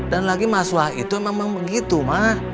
dan lagi mas suha itu emang begitu ma